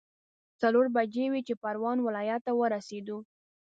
څلور بجې وې چې پروان ولايت ته ورسېدو.